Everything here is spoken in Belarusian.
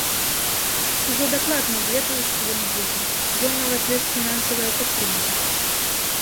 Ужо дакладна ведаю, што ён будзе, ужо нават ёсць фінансавая падтрымка.